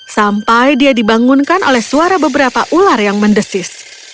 sampai dia dibangunkan oleh suara beberapa ular yang mendesis